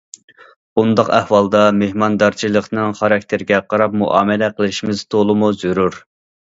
بۇنداق ئەھۋالدا، مېھماندارچىلىقنىڭ خاراكتېرىگە قاراپ مۇئامىلە قىلىشىمىز تولىمۇ زۆرۈر.